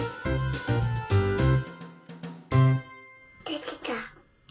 できた。